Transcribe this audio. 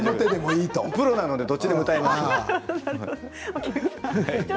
プロなのでどちらでもいいです。